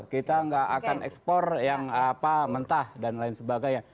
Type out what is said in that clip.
kita nggak akan ekspor yang mentah dan lain sebagainya